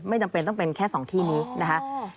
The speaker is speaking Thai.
จำเป็นต้องเป็นแค่๒ที่นี้นะคะ